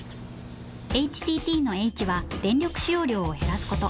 ＨＴＴのＨは電力使用量を減らすこと。